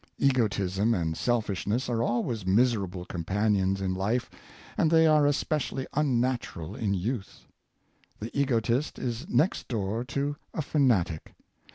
Egotism and selfishness are always miserable compan ions in life, and they are especially unnatural in youth. The egotist is next door to a fanatic.